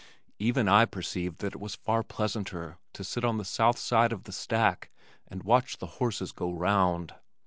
Even I perceived that it was far pleasanter to sit on the south side of the stack and watch the horses go round.